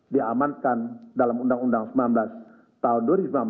diamankan dalam undang undang sembilan belas tahun dua ribu sembilan belas